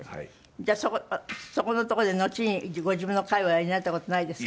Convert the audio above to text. じゃあそこの所でのちにご自分の会をおやりになった事ないですか？